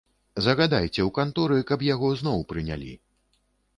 Загадайце ў канторы, каб яго зноў прынялі.